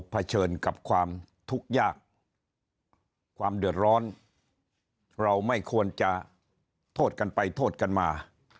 เฉินกับความทุกข์ยากความเดือดร้อนเราไม่ควรจะโทษกันไปโทษกันมา